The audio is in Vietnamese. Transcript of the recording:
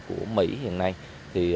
của mỹ hiện nay thì